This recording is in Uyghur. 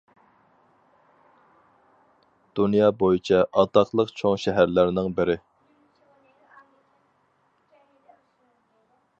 دۇنيا بويىچە ئاتاقلىق چوڭ شەھەرلەرنىڭ بىرى.